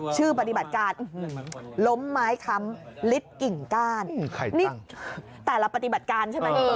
ชื่อปฏิบัติการล้มไม้คำลิดกิ่งก้านใครตั้งแต่ละปฏิบัติการใช่ไหมเออเออ